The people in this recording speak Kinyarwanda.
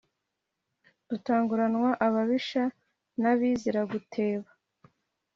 Dutanguranwa ababisha na Biziraguteba